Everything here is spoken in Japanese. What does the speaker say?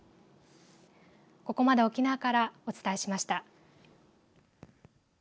ここまで沖縄からお伝えしました。